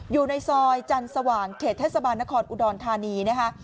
อยู่ในซอยจันทร์สว่างเขตเทศบาลนครอุดรธานีนะคะ